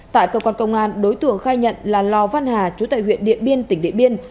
tại cơ quan công an đối tượng khai nhận là lò văn hà chú tại huyện điện biên tỉnh điện biên